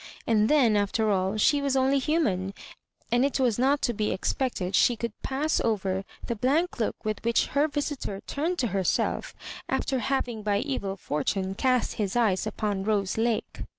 And then, aft^ all, she was only human, and it was not to be expected she could pass over the blank look with which her visitor turned to her self after having by evil fortune cast his eyes upon Rose Lake.